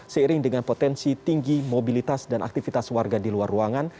seiring dengan potensi tinggi mobilitas dan aktivitas warga di luar ruangan